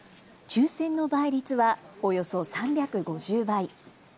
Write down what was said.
抽せんの倍率はおよそ３５０倍。